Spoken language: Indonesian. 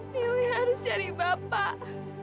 dewi harus cari bapak